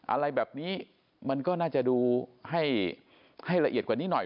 อะไรแบบนี้มันก็น่าจะดูให้ละเอียดกว่านี้หน่อย